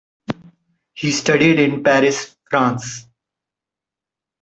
He studied in Paris, France.